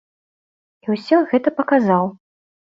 І ўсё гэта паказаў.